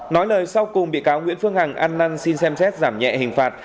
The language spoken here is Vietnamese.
nói lời sau cùng bị cáo nguyễn phương hằng ăn năn xin xem xét giảm nhẹ hình phạt